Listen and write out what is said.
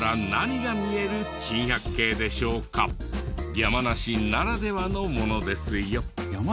山梨ならではのものですよ。